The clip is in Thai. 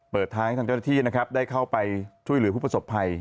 เปิดท้ายทางจะได้ครับได้เข้าไปช่วยหรือผู้ประสบภัย